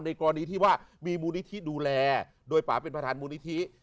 กรณีที่ว่ามีมูลนิธิดูแลโดยป่าเป็นประธานมูลนิธิ